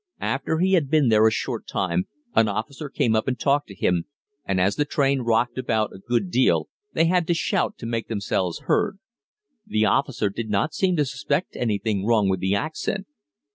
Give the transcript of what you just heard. After he had been there a short time an officer came up and talked to him, and as the train rocked about a good deal they had to shout to make themselves heard. The officer did not seem to suspect anything wrong with the accent.